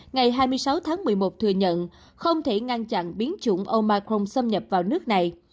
ngày hai mươi sáu tháng một mươi một thừa nhận không thể ngăn chặn biến chủng omar xâm nhập vào nước này